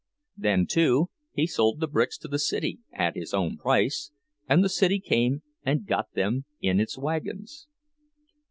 Then, too, he sold the bricks to the city, at his own price, and the city came and got them in its own wagons.